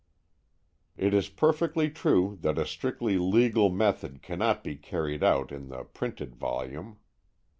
It is perfectly true that a strictly legal method cannot be carried out in the printed volume.